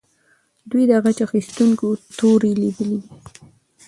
دوی د غچ اخیستونکې تورې لیدلې.